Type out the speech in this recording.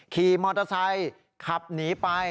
ขี่มอเตอร์ไซค์ขับหนีไป